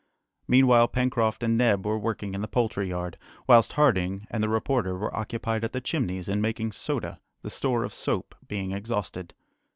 Meanwhile, Pencroft and Neb were working in the poultry yard, whilst Harding and the reporter were occupied at the Chimneys in making soda, the store of soap being exhausted.